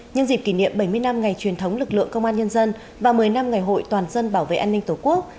nhân dịp kỷ niệm bảy mươi năm ngày truyền thống lực lượng công an nhân dân và một mươi năm ngày hội toàn dân bảo vệ an ninh tổ quốc